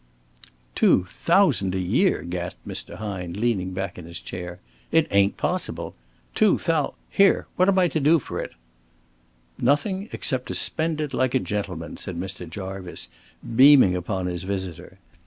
"Two thousand a year!" gasped Mr. Hine, leaning back in his chair. "It ain't possible. Two thou here, what am I to do for it?" "Nothing, except to spend it like a gentleman," said Mr. Jarvice, beaming upon his visitor.